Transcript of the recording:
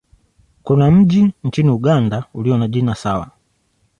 Kuna mji nchini Uganda ulio na jina sawa.